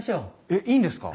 えっいいんですか？